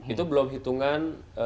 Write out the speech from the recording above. itu belum hitungan